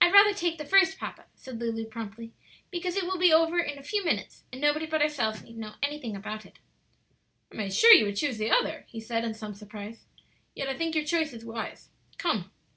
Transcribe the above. "I'd rather take the first, papa," said Lulu, promptly, "because it will be over in a few minutes, and nobody but ourselves need know anything about it." "I made sure you would choose the other," he said, in some surprise; "yet I think your choice is wise. Come!"